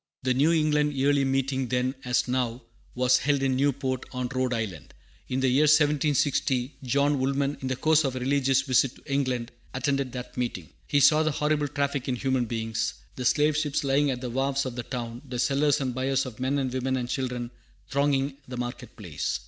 The New England Yearly Meeting then, as now, was held in Newport, on Rhode Island. In the year 1760 John Woolman, in the course of a religious visit to New England, attended that meeting. He saw the horrible traffic in human beings, the slave ships lying at the wharves of the town, the sellers and buyers of men and women and children thronging the market place.